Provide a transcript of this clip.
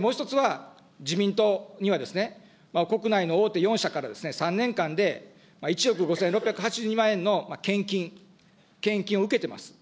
もう１つは、自民党には、国内の大手４社から３年間で１億万円の献金、献金を受けてます。